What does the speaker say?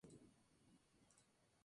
Cuenta, aun, con dos aeropuertos.